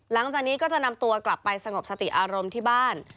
หลังจากนี้ก็จะนำตัวกลับไปสงบสติอารมณ์ที่บ้าน